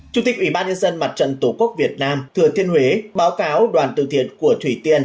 chủ tịch ủy ban nhân dân mặt trận tổ quốc việt nam thừa thiên huế báo cáo đoàn từ thiện của thủy tiên